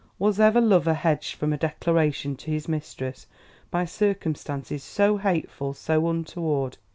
Was ever lover hedged from a declaration to his mistress by circumstances so hateful, so untoward!